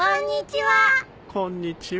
こんにちは。